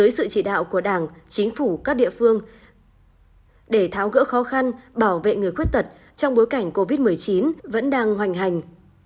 với sự chỉ đạo của đảng chính phủ các địa phương để tháo gỡ khó khăn bảo vệ người khuyết tật trong bối cảnh covid một mươi chín vẫn đang hoành hành